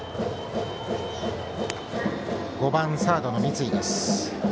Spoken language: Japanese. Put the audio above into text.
５番サードの三井です。